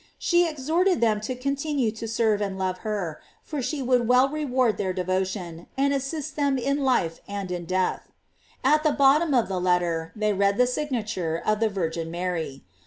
She exhorted them to continue to serve and love her, for she would well reward their devotion, and assist them in life and in death. At the bottom of the letter they read the signature of the Virgin Mary.